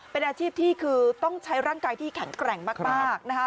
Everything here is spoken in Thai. เป็นอาชีพที่คือต้องใช้ร่างกายที่แข็งแกร่งมากนะคะ